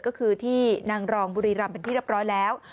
ก็คือที่นางรองบุรีรำเป็นที่เรียบร้อยแล้ว